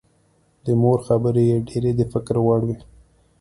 د مور خبرې یې ډېرې د فکر وړ وې